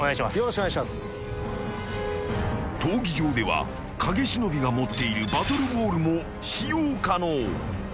［闘技場では影忍が持っているバトルボールも使用可能］